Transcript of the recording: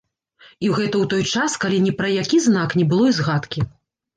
І гэта ў той час, калі ні пра які знак не было і згадкі.